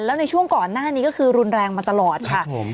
แล้วในช่วงก่อนหน้านี้ก็คือรุนแรงมาตลอดค่ะ